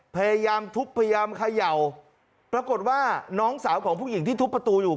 พยายามทุบพยายามเขย่าปรากฏว่าน้องสาวของผู้หญิงที่ทุบประตูอยู่